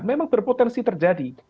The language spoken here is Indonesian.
memang berpotensi terjadi